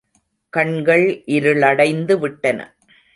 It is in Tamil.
கண்கள் இருளடைந்து விட்டன.